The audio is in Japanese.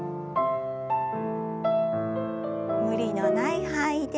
無理のない範囲で。